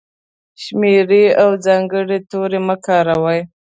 شمېرې او ځانګړي توري مه کاروئ!.